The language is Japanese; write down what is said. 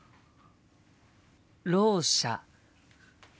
ろう者。